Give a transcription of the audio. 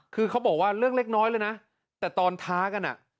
คือเขาบอกว่าเรื่องเล็กน้อยเลยนะแต่ตอนท้ากันอ่ะ